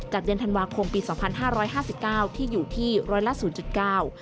จากเดือนธันวาคมปี๒๕๕๙ที่อยู่ที่ร้อยละ๐๙